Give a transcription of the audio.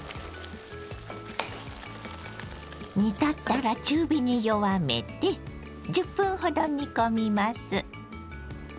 煮立ったら中火に弱めて１０分ほど煮込みます。